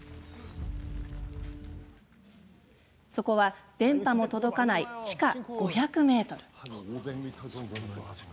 そこは電波も届かない地下５００ｍ。